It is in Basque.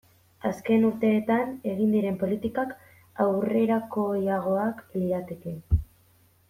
Azken urteetan egin diren politikak aurrerakoiagoak lirateke.